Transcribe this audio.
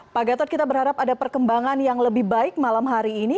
pak gatot kita berharap ada perkembangan yang lebih baik malam hari ini